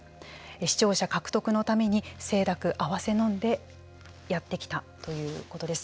視聴者獲得のために清濁あわせのんでやってきたということです。